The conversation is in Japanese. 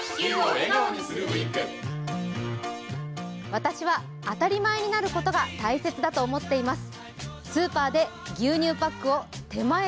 私は、当たり前になることが大切だと思っています。